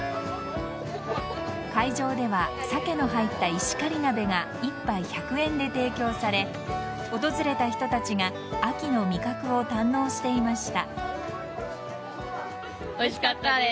会場では、サケの入った石狩鍋が１杯１００円で提供され訪れた人たちが秋の味覚を堪能していました。